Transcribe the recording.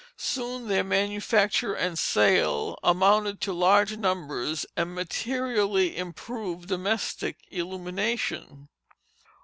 Soon their manufacture and sale amounted to large numbers, and materially improved domestic illumination.